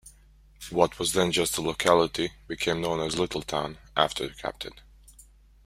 What was then just a locality became known as Lyttleton after the Captain.